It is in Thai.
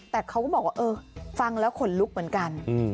แต่เขาก็บอกว่าเออฟังแล้วขนลุกเหมือนกัน